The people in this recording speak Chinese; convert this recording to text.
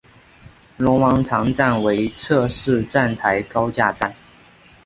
龙王塘站为侧式站台高架站。